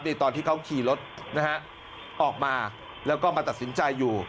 ตอนที่เขาขี่รถนะฮะออกมาแล้วก็มาตัดสินใจอยู่